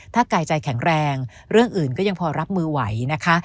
ถ้ากายใจแข็งแรงเรื่องอื่นก็ยังพอรับมือไหวนะคะ